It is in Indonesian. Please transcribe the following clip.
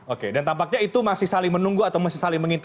oke dan tampaknya itu masih saling menunggu atau masih saling mengintip